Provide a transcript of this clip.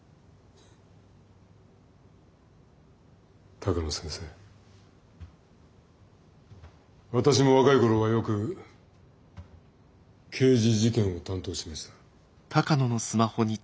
鷹野先生私も若い頃はよく刑事事件を担当しました。